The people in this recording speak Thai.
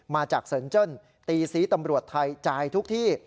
มาจากเซินเจิ้นตีซีตำรวจไทยจ่ายทุกที่